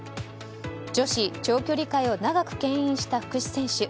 女子長距離界を長く牽引した福士選手。